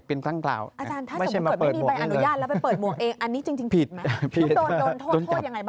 นึกลงโตนโทษโทษอย่างไรบ้างคะ